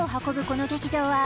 この劇場は